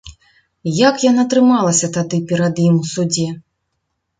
Як яна трымалася тады перад ім у судзе!